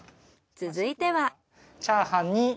続いては。